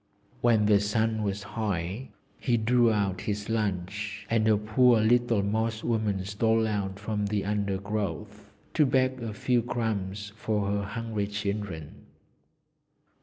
When the sun was high, he drew out his lunch, and a poor little Moss woman stole out from the undergrowth to beg a few crumbs for her hungry children.